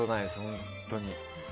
本当に。